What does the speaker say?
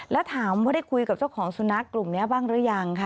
แล้วถามว่าได้คุยกับเจ้าของสุนัขกลุ่มนี้บ้างหรือยังค่ะ